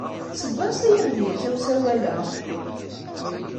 Seg wansi ay am-d-yekka usawal-a?